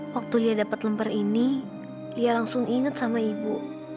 waktu lia dapat lempar ini lia langsung ingat sama ibu